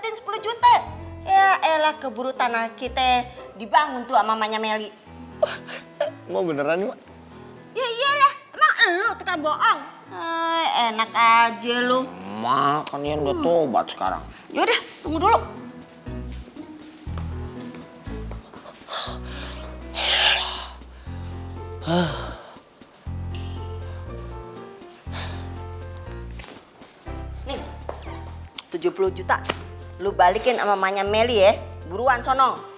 nih tujuh puluh juta lo balikin sama mamanya melly ya buruan sono